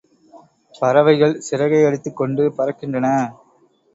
பறவைகள் சிறகையடித்துக்கொண்டு பறக்கின்றன.